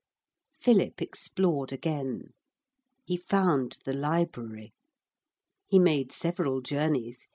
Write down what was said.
Philip explored again. He found the library. He made several journeys.